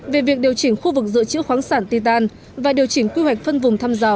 về việc điều chỉnh khu vực dự trữ khoáng sản ti tàn và điều chỉnh quy hoạch phân vùng thăm dò